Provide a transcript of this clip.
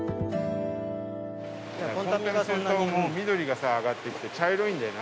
緑がさ上がってきて茶色いんだよな